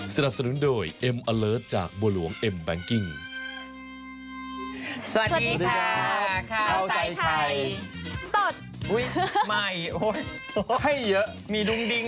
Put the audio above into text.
สวัสดีค่ะข้าวสายใครสดอุ๊ยใหม่โอ้ยให้เยอะมีดุงดิง